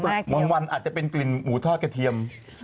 บางวันอาจจะเป็นกลิ่นหมูทอดกระเทียม